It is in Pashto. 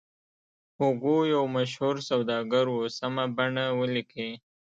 هوګو یو مشهور سوداګر و سمه بڼه ولیکئ.